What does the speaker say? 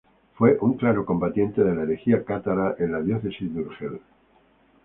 Fue un claro combatiente de la herejía cátara en la diócesis de Urgel.